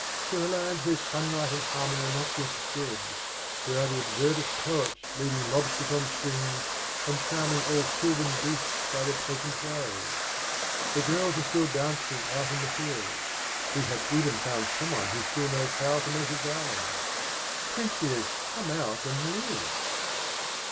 There are lands where sunlight and harmony are not yet dead ; there are the absurdest poets leading lobsters on strings and charming all sylvan beasts by their pleasant ways. The girls are still dancing out in the fields; we have even found someone who still knows how to make a garland. Pentheus, come out and live!"